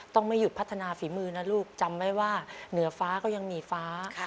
ต้องไม่หยุดพัฒนาฝีมือนะลูกจำไว้ว่าเหนือฟ้าก็ยังมีฟ้า